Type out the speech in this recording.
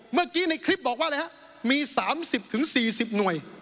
เมื่อกี้ในคลิปบอกว่าอะไรฮะมีสามสิบถึงสี่สิบหน่วย